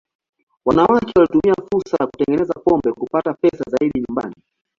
Wanawake walitumia fursa ya kutengeneza pombe kupata pesa zaidi nyumbani.